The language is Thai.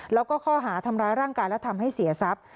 แล้วก็ข้อหาทำร้ายร่างกายและทำให้เสียทรัพย์